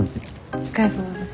お疲れさまです。